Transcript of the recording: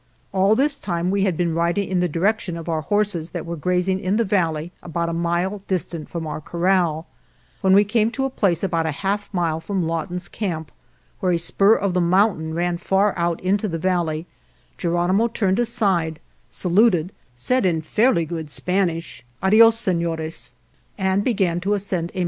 All this time we had been riding in the direction of our horses that were grazing in the valley about a mile distant from our corral. When we came to a place about a half mile from Lawton's camp, where a spur of the mountain ran far out into the valley, Geronimo turned aside, sa luted, said in fairly good Spanish, " Adios, Senors/' and began to ascend a mountain Recently Mr. Melton told Geronimo of this conversa tion.